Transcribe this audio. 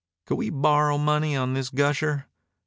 "Can't we borrow money on this gusher?"